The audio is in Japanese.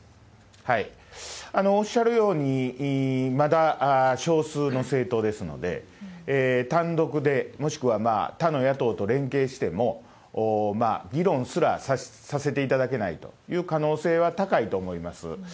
おっしゃるように、まだ少数の政党ですので、単独で、もしくは他の野党と連携しても、議論すらさせていただけないという可能性は高いと思います。